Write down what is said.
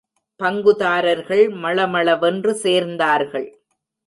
பங்குதாரர்கள் மளமளவென்று சேர்ந்தார்கள்.